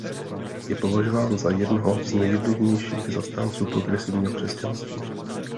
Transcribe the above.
Je považován za jednoho z nejvlivnějších zastánců progresivního křesťanství.